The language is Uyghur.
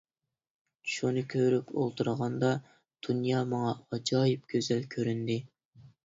شۇنى كۆرۈپ ئولتۇرغاندا، دۇنيا ماڭا ئاجايىپ گۈزەل كۆرۈندى.